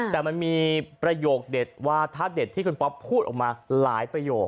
แต่มันมีประโยคเด็ดว่าถ้าเด็ดที่คุณป๊อปพูดออกมาหลายประโยค